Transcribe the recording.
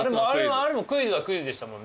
クイズはクイズでしたもんね。